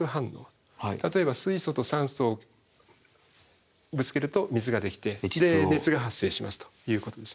例えば水素と酸素ぶつけると水ができて熱が発生しますということですね。